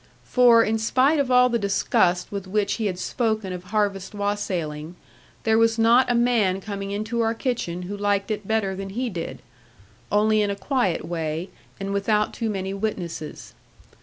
For, in spite of all the disgust with which he had spoken of harvest wassailing, there was not a man coming into our kitchen who liked it better than he did; only in a quiet way, and without too many witnesses.